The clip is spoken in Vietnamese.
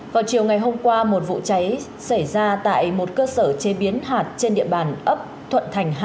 vào chiều ngày hôm qua một vụ cháy xảy ra tại một cơ sở chế biến hạt trên địa bàn ấp thuận thành hai